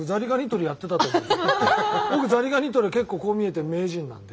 僕ザリガニ取りは結構こう見えて名人なんで。